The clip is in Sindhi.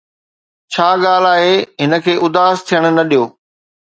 ڇا ڳالهه آهي، هن کي اداس ٿيڻ نه ڏيو